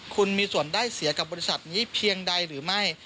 คุณมีส่วนได้เสียกับบริษัทนี้เพียงใดหรือไม่